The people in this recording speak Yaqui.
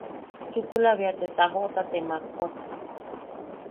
Chukula bea te tajoʼota te makwak.